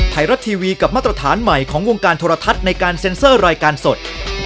ไทยรัฐทีวีกับมาตรฐานใหม่ของวงการโทรทัศน์ในการเซ็นเซอร์รายการสด